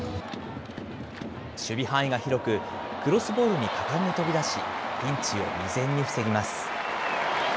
守備範囲が広く、クロスボールに果敢に飛び出し、ピンチを未然に防ぎます。